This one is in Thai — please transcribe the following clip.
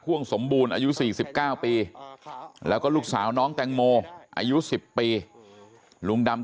วงสมบูรณ์อายุ๔๙ปีแล้วก็ลูกสาวน้องแตงโมอายุ๑๐ปีลุงดำ